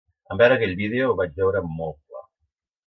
En veure aquell vídeo ho vaig veure molt clar.